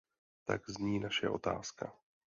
Tak zní naše otázka.